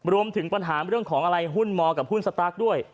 รวมถึงปัญหาเรื่องของอะไรหุ้นมกับหุ้นสตาร์คด้วย